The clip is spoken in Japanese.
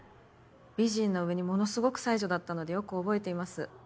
美人な上にものすごく才女だったのでよく覚えています。